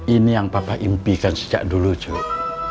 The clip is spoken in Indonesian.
ini yang bapak impikan sejak dulu cuk